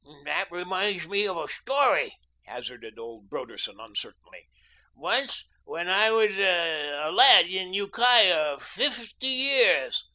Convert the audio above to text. "That reminds me of a story," hazarded old Broderson uncertainly; "once when I was a lad in Ukiah, fifty years."